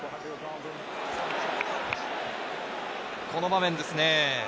この場面ですね。